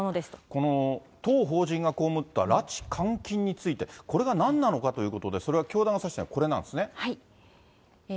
この当法人が被った拉致監禁について、これがなんなのかということで、これは教団が指しているのはこれなんですね。